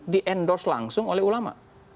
di endorse langsung oleh ulama